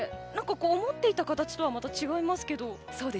思っていた形とはまた違いますけど。